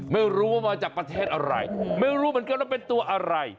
ไม่รู้ว่ามาจากประเทศอะไรไม่รู้เหมือนกันว่าเป็นตัวอะไร